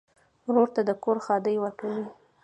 ورور ته د کور ښادي ورکوې.